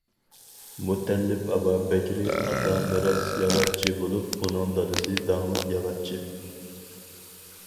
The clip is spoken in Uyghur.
مۇتەللىپ ئابابەكرى ئاتا مىراس ياغاچچى بولۇپ، ئۇنىڭ دادىسى داڭلىق ياغاچچى.